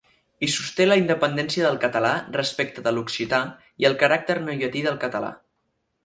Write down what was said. Hi sosté la independència del català respecte de l’occità i el caràcter neollatí del català.